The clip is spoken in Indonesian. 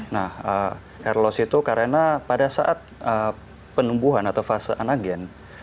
nah airlos itu karena pada saat penumbuhan atau fase anagen